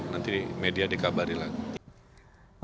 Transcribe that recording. nanti media dikabari lagi